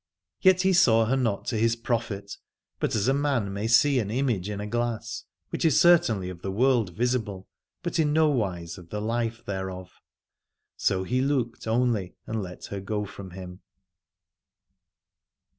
Yet he saw her not to his profit, but as a man may see an image in a glass, which is certainly of the world visible, but in nowise of the life thereof. So he looked only and let her go from him.